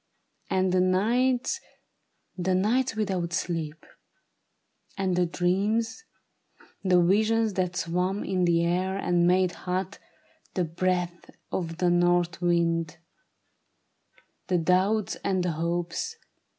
And the nights — The nights without sleep ; and the dreams — The visions that swam in the air, and made hot The breath of the north wind ; the doubts and the hopes.